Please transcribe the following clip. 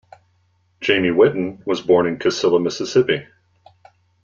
Jamie Whitten was born in Cascilla, Mississippi.